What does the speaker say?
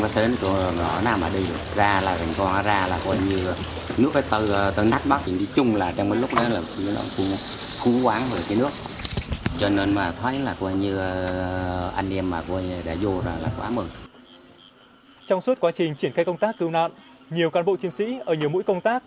trong suốt quá trình triển khai công tác cứu nạn nhiều cán bộ chiến sĩ ở nhiều mũi công tác